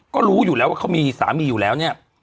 ก็รู้อยู่แล้วว่าเขามีสามีอยู่แล้วเนี่ย